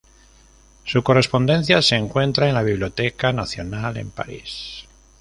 Su correspondencia se encuentra en la Biblioteca Nacional en París.